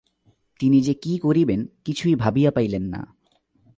তিনি যে কী করিবেন কিছুই ভাবিয়া পাইলেন না।